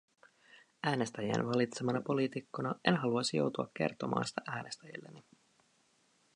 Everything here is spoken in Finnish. Äänestäjien valitsemana poliitikkona en haluaisi joutua kertomaan sitä äänestäjilleni.